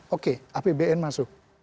oke apbn masuk